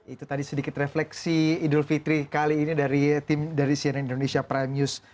itu tadi sedikit refleksi idul fitri kali ini dari tim dari cnn indonesia prime news